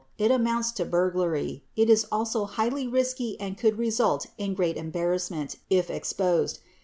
It amounts to burglary. It is also highly risky and could result in great em barrassment if exposed.